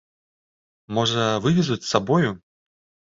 Можа, вывезуць з сабою?